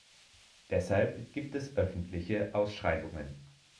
Deshalb gibt es öffentliche Ausschreibungen.